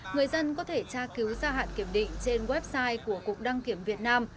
người dân có thể tra cứu gia hạn kiểm định trên website của cục đăng kiểm việt nam